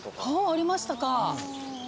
ありましたか。